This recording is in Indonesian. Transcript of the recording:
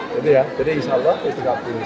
jadi ya jadi insya allah itu gak berhenti